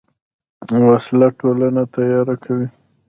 وسله ټولنه تیاره کوي